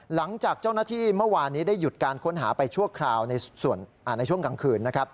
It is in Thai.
หลังจากเจ้าหน้าที่เมื่อวานนี้ได้หยุดการค้นหาไปช่วงกลางคืน